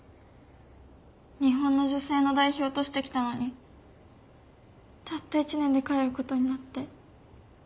日本の女性の代表として来たのにたった１年で帰る事になって。